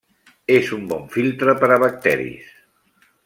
És un bon filtre per a bacteris.